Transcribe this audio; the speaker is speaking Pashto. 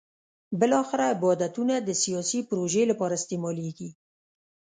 بالاخره عبادتونه د سیاسي پروژې لپاره استعمالېږي.